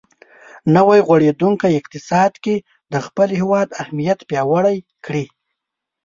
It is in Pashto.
نوی غوړېدونکی اقتصاد کې د خپل هېواد اهمیت پیاوړی کړي.